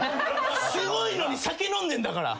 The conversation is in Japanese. すごいのに酒飲んでんだから。